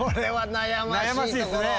悩ましいですね。